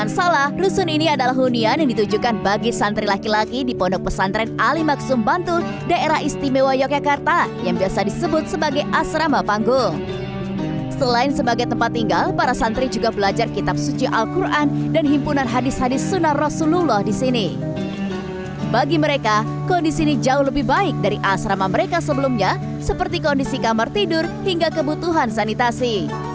adalah sebuah kondisi yang lebih baik dari asrama mereka sebelumnya seperti kondisi kamar tidur hingga kebutuhan sanitasi